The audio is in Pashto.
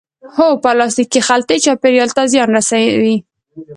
هو، پلاستیکی خلطی چاپیریال ته زیان رسوی